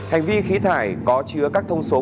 hành vi khí thải có chứa các thông số